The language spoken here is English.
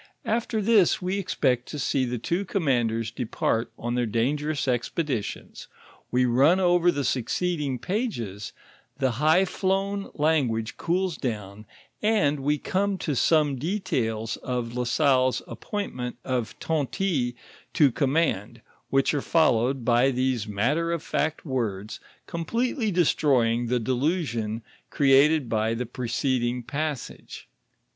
After this wc expect to see the two commanders depart on their dangerous expeditions, we run over the succeeding pages, the highflown language cools down, and we come to some details of La Salle's appointment of Tonty to command, which, are followed by these matter of fact words, com pletely destroying the delusion created by tae preceding passage.